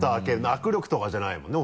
握力とかじゃないもんね？